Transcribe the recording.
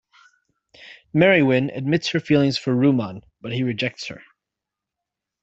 Merewyn admits her feelings for Rumon, but he rejects her.